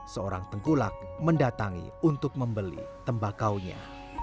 seorang tengkulak mendatangi untuk membeli tembakaunya